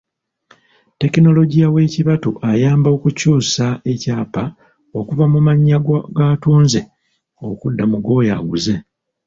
Ttekinologiya w'ekibatu ayamba okukyusa ekyapa okuva mu mannya g'atunze okudda mu g'oyo aguze.